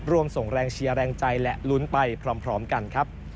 ส่งแรงเชียร์แรงใจและลุ้นไปพร้อมกันครับ